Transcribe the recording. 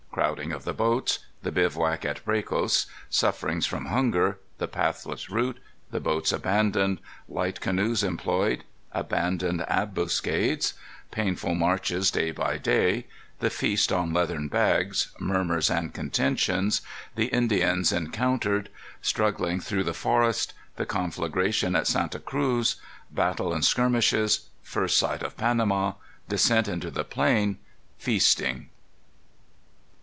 Crowding of the Boats. The Bivouac at Bracos. Sufferings from Hunger. The Pathless Route. The Boats Abandoned. Light Canoes Employed. Abandoned Ambuscades. Painful Marches, Day by Day. The Feast on Leathern Bags. Murmurs and Contentions. The Indians Encountered. Struggling through the Forest. The Conflagration at Santa Cruz. Battle and Skirmishes. First Sight of Panama. Descent into the Plain. Feasting.